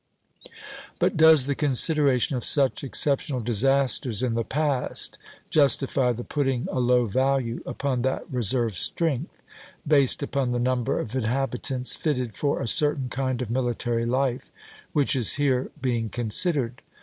But does the consideration of such exceptional disasters in the past justify the putting a low value upon that reserve strength, based upon the number of inhabitants fitted for a certain kind of military life, which is here being considered?